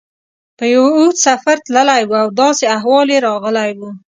په یو اوږد سفر تللی و او داسې احوال یې راغلی و.